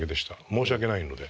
申し訳ないので。